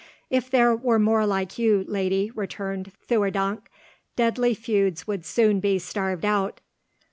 "If there were more like you, lady," returned Theurdank, "deadly feuds would soon be starved out.